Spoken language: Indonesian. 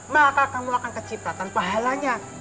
maka kamu akan keciptakan pahalanya